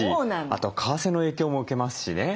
あと為替の影響も受けますしね。